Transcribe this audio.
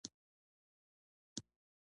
پښه معیاري شکل دی.